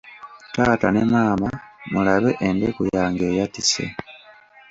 Taata ne maama, mulabe endeku yange eyatise!